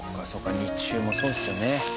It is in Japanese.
日中もそうですよね。